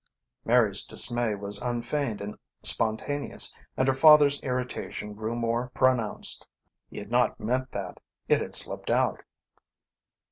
Mary's dismay was unfeigned and spontaneous, and her father's irritation grew more pronounced. He had not meant that. It had slipped out.